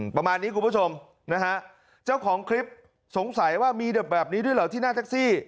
ประมาณนี้คุณผู้ชมนะฮะเจ้าของคลิปสงสัยว่ามีเด็กแบบนี้ด้วยเหรอที่หน้าแท็กซี่